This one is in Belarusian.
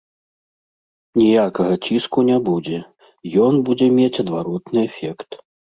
Ніякага ціску не будзе, ён будзе мець адваротны эфект.